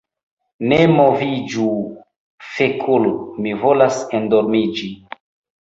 "Ne moviĝu fekul' mi volas endormiĝi